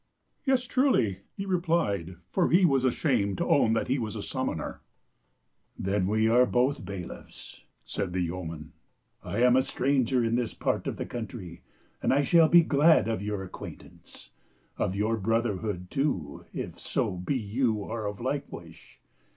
"Yes, truly," he replied, for he was ashamed to own that he was a summoner. " Then are we both bailiffs," said the yeoman. " I am a stranger in this part of the country, and I shall be glad of your acquaintance, of your brotherhood, too, if so be you are of like wish.